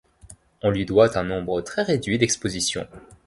On lui doit un nombre très réduit d'expositions.